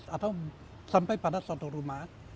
atau sampai pada suatu rumah